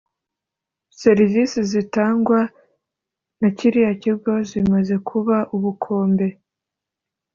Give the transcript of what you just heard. serivisi zitangwa na kiriya kigo zimaze kuba ubukombe